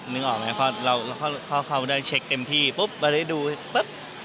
นึกออกไหมพอเราได้เช็คเต็มที่ปุ๊บเราได้ดูปุ๊บ